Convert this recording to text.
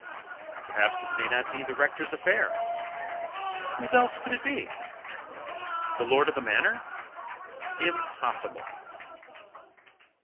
"Perhaps it may not be the rector's affair." "Whose else could it be?" "The lord of the manor." "Impossible."